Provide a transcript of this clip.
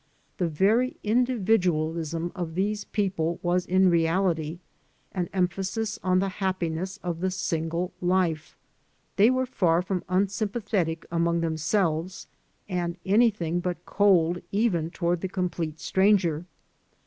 The very individualism of these people was in reality an emphasis on the happiness of the single life. They were far from imsympathetic among them selves, and anything but cold even toward the complete stranger.